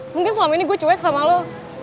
mungkin selama ini gue cuek sama lo